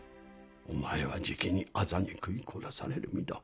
お前はじきにアザに食い殺される身だ。